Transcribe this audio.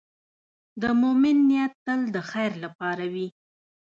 د مؤمن نیت تل د خیر لپاره وي.